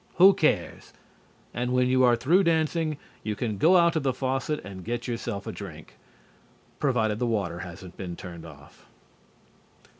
Who cares? And when you are through dancing you can go out to the faucet and get yourself a drink provided the water hasn't been turned off.